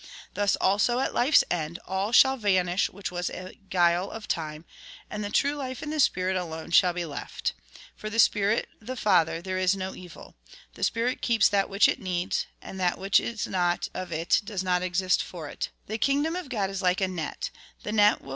Thus also, at life's end, all shall vanish which was a guUe of time, and the true life in the spirit shall alone be left. For the Spirit, the Father, there is no evil. The spirit keeps that which it needs, and that which is not of it does not exist for it. The kingdom of God is like a net. The net will THE SOURCE OF LIFE 47 Mt. xiii. 48.